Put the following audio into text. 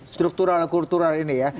struktural kultural ini ya